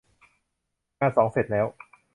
งานสองเสร็จแล้ว